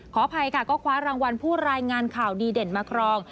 ขออภัยค่ะก็คว้ารางวัลผู้รายงานข่าวดีเด่นมาครอง